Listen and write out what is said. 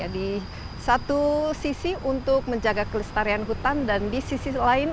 di satu sisi untuk menjaga kelestarian hutan dan di sisi lain